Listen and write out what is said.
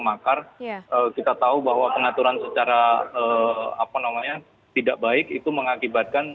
makar kita tahu bahwa pengaturan secara apa namanya tidak baik itu mengakibatkan